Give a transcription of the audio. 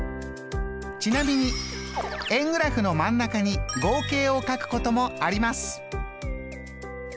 ちなみに円グラフの真ん中に合計を書くこともあります。